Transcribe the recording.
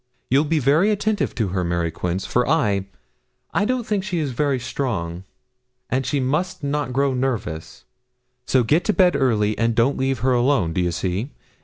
You'll be very attentive to her, Mary Quince, for I I don't think she is very strong, and she must not grow nervous: so get to bed early, and don't leave her alone do you see?